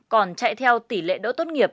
còn chạy theo tỷ lệ đỗ tốt nghiệp